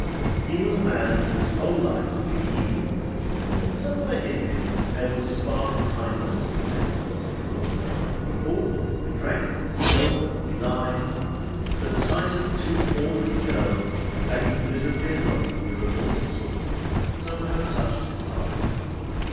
He was a man whose whole life had been evil, but somewhere in him was a spark of kindness and tenderness. He fought, he drank, he stole, he lied; but the sight of the two poor little girls dragging miserably along with the remorseless woman somehow touched his heart.